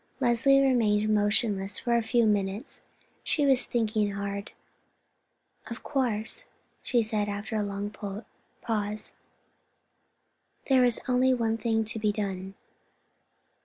Leslie remained motionless for a few minutes; she was thinking hard. "Of course," she said, after a long pause, "there is only one thing to be done."